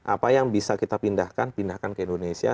apa yang bisa kita pindahkan pindahkan ke indonesia